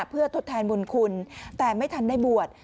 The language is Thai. เพื่อทดแทนบุญคุณแต่ไม่ทันได้บวช